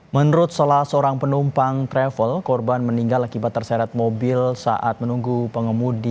menurut salah seorang penumpang travel korban meninggal akibat terseret mobil saat menunggu pengemudi